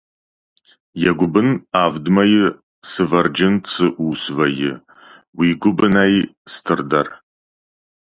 Йӕ гуыбын, авд мӕйы сывӕрджын цы ус вӕййы, уый гуыбынӕй стырдӕр.